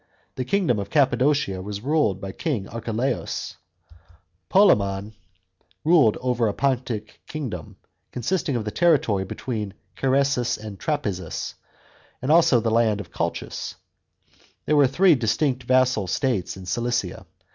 The kingdom of Cappadocia was ruled by King Archelaus. Polemon 27 B.G. 14 AD. GALATIA. BOSPORUS. 109 ruled over a Pontic kingdom, consisting of the territory between Cerasus and Trapezus, and also the land of Colchis. There were three distinct vassal states in Cilicia.